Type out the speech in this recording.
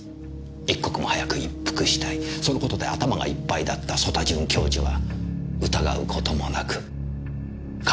一刻も早く一服したいそのことで頭がいっぱいだった曽田准教授は疑うこともなく彼女の言葉に従った。